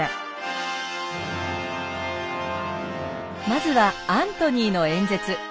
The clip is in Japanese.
まずはアントニーの演説。